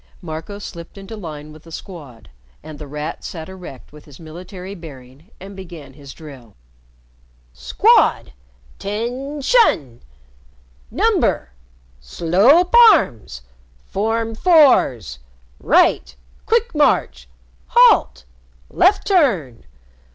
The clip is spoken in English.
Marco slipped into line with the Squad, and The Rat sat erect with his military bearing and began his drill: "Squad! "'Tention! "Number! "Slope arms! "Form fours! "Right! "Quick march! "Halt! "Left turn!